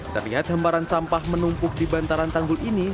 terlihat hemparan sampah menumpuk di bantaran tanggul ini